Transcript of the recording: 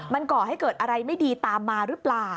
มันก่อให้เกิดอะไรไม่ดีตามมาหรือเปล่า